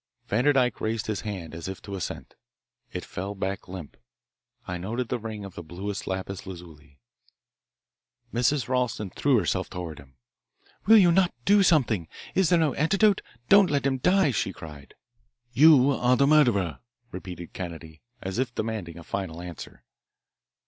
Vanderdyke raised his hand as if to assent. It fell back limp, and I noted the ring of the bluest lapis lazuli. Mrs. Ralston threw herself toward him. "Will you not do something? Is there no antidote? Don't let him die!" she cried. "You are the murderer," repeated Kennedy, as if demanding a final answer.